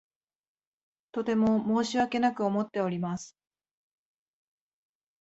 とても申し訳なく思っております。